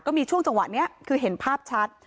มีช่วงจังหวะนี้คือเห็นภาพชัด